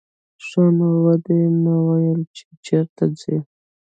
ښه نو ودې نه ویل چې چېرته ځې.